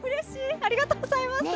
ありがとうございます。